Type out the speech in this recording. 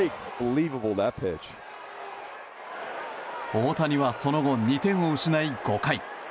大谷はその後２点を失い、５回。